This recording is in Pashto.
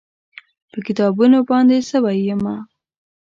په کتابونو باندې سوی یمه